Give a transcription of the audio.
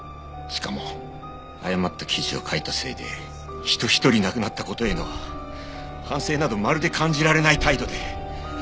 しかも誤った記事を書いたせいで人ひとり亡くなった事への反省などまるで感じられない態度で。